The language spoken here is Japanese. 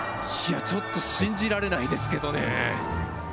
ちょっと信じられないですけどね。